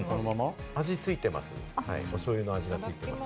味ついています。